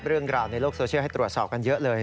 เรื่องราวในโลกโซเชียลให้ตรวจสอบกันเยอะเลย